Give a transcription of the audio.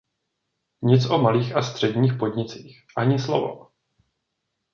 Nic o malých a středních podnicích, ani slovo!